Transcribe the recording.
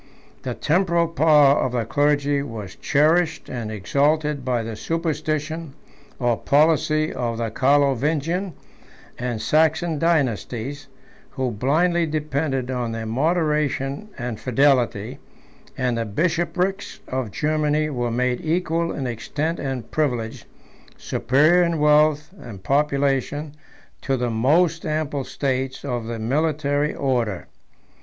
The temporal power of the clergy was cherished and exalted by the superstition or policy of the Carlovingian and Saxon dynasties, who blindly depended on their moderation and fidelity; and the bishoprics of Germany were made equal in extent and privilege, superior in wealth and population, to the most ample states of the military order.